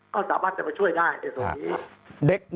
ก็สามารถจะมาช่วยได้